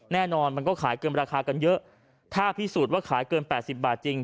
มันก็ขายเกินราคากันเยอะถ้าพิสูจน์ว่าขายเกิน๘๐บาทจริง